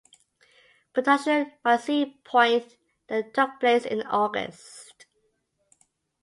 Production by Seapoint then took place in August.